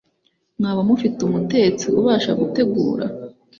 Mwaba mufite umutetsi ubasha gutegura